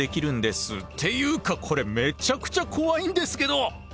っていうかこれめちゃくちゃ怖いんですけど！